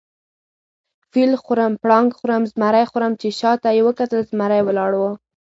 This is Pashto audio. فیل خورم، پړانګ خورم، زمرى خورم . چې شاته یې وکتل زمرى ولاړ وو